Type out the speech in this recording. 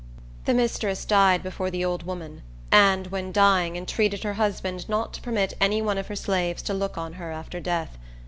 The mistress died before the old woman, and, when dying, entreated her husband not to permit any one of her slaves to look on her after death.